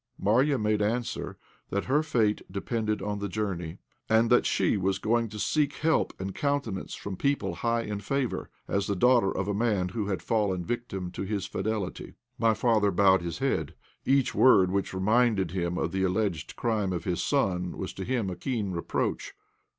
Marya made answer that her fate depended on the journey, and that she was going to seek help and countenance from people high in favour, as the daughter of a man who had fallen victim to his fidelity. My father bowed his head. Each word which reminded him of the alleged crime of his son was to him a keen reproach.